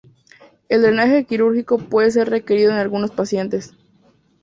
El drenaje quirúrgico puede ser requerido en algunos pacientes.